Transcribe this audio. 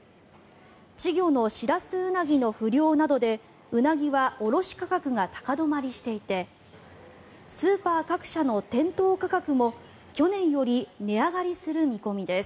稚魚のシラスウナギの不漁などでウナギは卸価格が高止まりしていてスーパー各社の店頭価格も去年より値上がりする見込みです。